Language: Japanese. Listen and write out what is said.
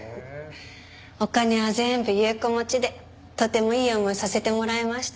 お金は全部優子持ちでとてもいい思いさせてもらいました。